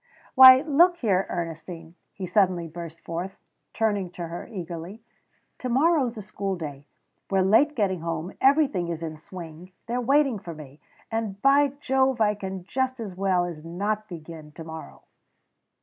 "Why look here, Ernestine," he suddenly burst forth, turning to her eagerly, "to morrow's a school day, we're late getting home, everything is in swing they're waiting for me, and, by Jove, I can just as well as not begin to morrow!"